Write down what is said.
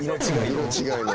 色違いの。